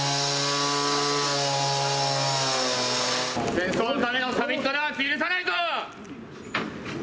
戦争のためのサミットなんて許さないぞ。